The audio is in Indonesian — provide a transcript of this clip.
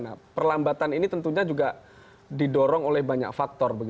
tapi catatan ini tentunya juga didorong oleh banyak faktor